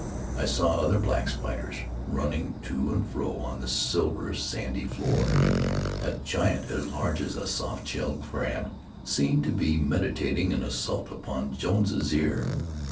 I saw other black spiders running to and fro on the silver, sandy floor. A giant, as large as a soft shell crab, seemed to be meditating an assault upon Jones's ear.